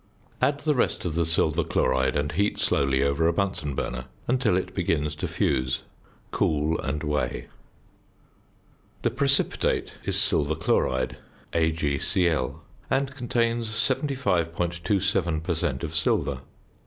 Add the rest of the silver chloride and heat slowly over a Bunsen burner until it begins to fuse. Cool and weigh. The precipitate is silver chloride (AgCl) and contains 75.27 per cent. of silver.